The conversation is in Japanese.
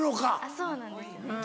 そうなんです。